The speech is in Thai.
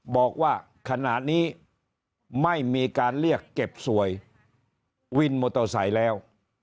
บอกว่าขณะนี้ไม่มีการเรียกเก็บสวยวินมอเตอร์ไซค์แล้ว